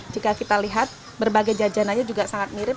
jika kita lihat berbagai jajanannya juga sangat mirip